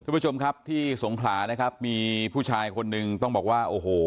คุณผู้ชมครับที่สงขลานะครับมีผู้ชายคนนึงต้องบอกว่าโอ้โห